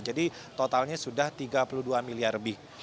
jadi totalnya sudah tiga puluh dua miliar lebih